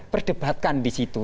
perdebatkan di situ